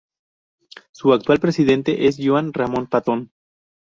Su actual presidente es Joan Ramon Patón.